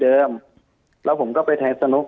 เดิมแล้วผมก็ไปทักนึก